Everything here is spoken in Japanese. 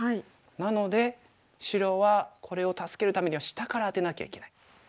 なので白はこれを助けるためには下からアテなきゃいけない。